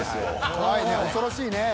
怖いね恐ろしいね。